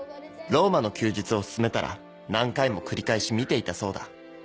『ローマの休日』を薦めたら何回も繰り返し見ていたそうだ。